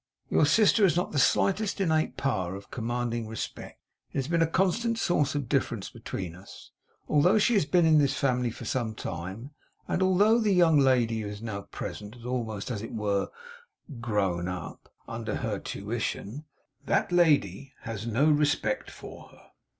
Your sister has not the slightest innate power of commanding respect. It has been a constant source of difference between us. Although she has been in this family for some time, and although the young lady who is now present has almost, as it were, grown up under her tuition, that young lady has no respect for her.